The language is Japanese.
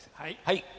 はい。